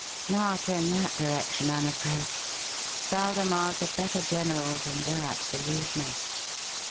"Not in that direction, I'm afraid. Waldemar's a better general than that, believe me.